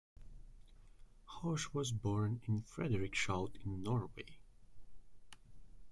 Hauch was born in Frederikshald in Norway.